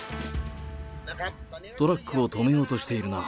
トラックを止めようとしているな。